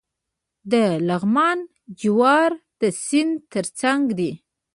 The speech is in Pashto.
د لغمان جوار د سیند ترڅنګ دي.